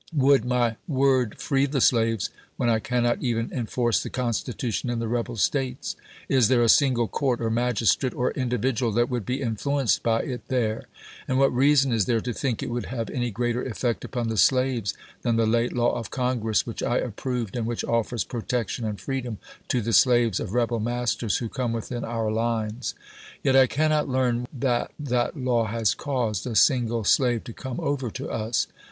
Would my word free the slaves, when I cannot even enforce the Constitution in the rebel States ? Is there a single court, or magistrate, or individual that would be influenced by it there? And what reason is there to think it would have any greater effect upon the slaves than the late law of Congress, which I approved, and which offers protection and freedom to the slaves of rebel masters who come within our lines ? Yet I cannot learn that that law has caused a single slave to come over to us.